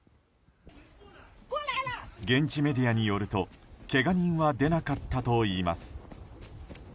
現地メディアによるとけが人は出なかったといいます。